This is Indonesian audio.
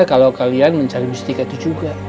kalau kalian mencari bistik itu juga